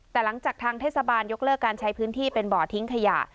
แต่หลังจากทางเทศบาลยกเลิกการใช้พื้นที่เป็นบ่อทิ้งขยะ